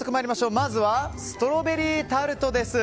まずはストロベリータルトです。